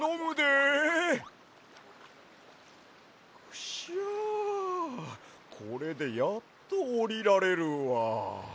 クシャこれでやっとおりられるわ。